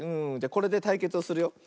これでたいけつをするよ。